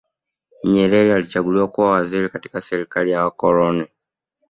nyerere alichaguliwa kuwa waziri katika serikali ya wakoloni